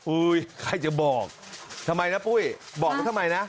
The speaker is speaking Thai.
อุ้ยใครจะบอกทำไมนะปุ้ยบอกก็ทำไมนะ